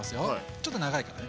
ちょっと長いからね。